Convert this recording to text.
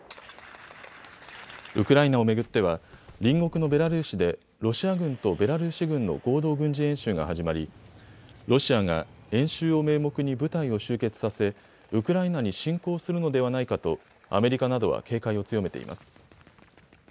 ウクライナを巡っては隣国のベラルーシでロシア軍とベラルーシ軍の合同軍事演習が始まりロシアが演習を名目に部隊を集結させウクライナに侵攻するのではないかとアメリカなどは警戒を強めています。